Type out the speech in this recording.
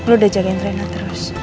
lo udah jagain trainer terus